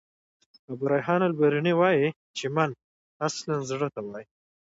ابو ریحان البروني وايي چي: "من" اصلاً زړه ته وايي.